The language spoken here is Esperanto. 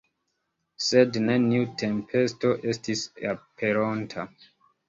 Sed neniu tempesto estis aperonta.